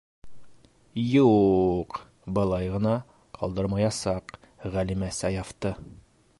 Ю-у-уҡ, былай ғына ҡалдырмаясаҡ Ғәлимә Саяфты.